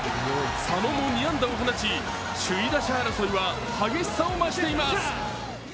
佐野も２安打を放ち、首位打者争いは激しさを増しています。